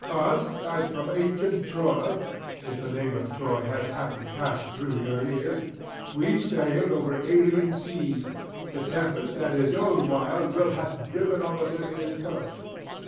Us, as from ancient Troy (if the name of Troy hath haply passed through your ears) we sailed over alien seas, the tempest at his own wild will hath driven on the Libyan coast.